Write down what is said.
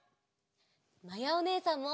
まやおねえさんも！